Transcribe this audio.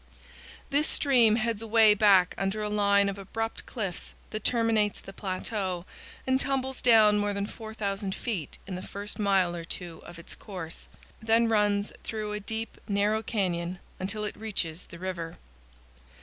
This stream heads away back under a line of abrupt cliffs that terminates the plateau, and tumbles down more than 4,000 feet in the first mile or two of its course; then runs through a deep, narrow canyon until it reaches the river.